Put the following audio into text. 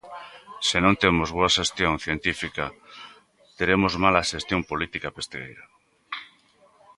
Se non temos boa xestión científica teremos mala xestión política pesqueira.